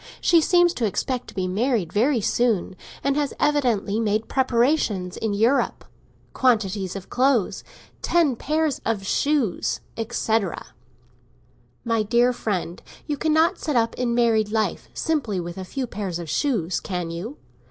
She seems to expect to be married very soon, and has evidently made preparations in Europe—quantities of clothing, ten pairs of shoes, etc. My dear friend, you cannot set up in married life simply with a few pairs of shoes, can you?